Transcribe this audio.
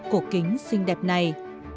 cổ kính xinh đẹp này